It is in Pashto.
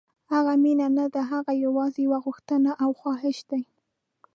هغه مینه نه ده، هغه یوازې یو غوښتنه او خواهش دی.